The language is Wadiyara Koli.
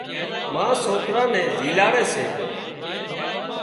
ما سوڪران نين زيلاڙي سي